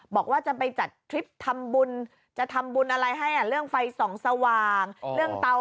บอกว่าจะไปจัดทริปทำบุญจะทำบุญอะไรให้เรื่องไฟส่องสว่างเรื่องเตา